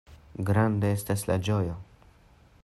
Granda estis la ĝojo!